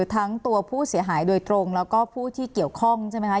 ทั้งตัวผู้เสียหายโดยตรงแล้วก็ผู้ที่เกี่ยวข้องใช่ไหมคะ